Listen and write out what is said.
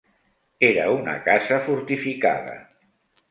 Era una casa fortificada.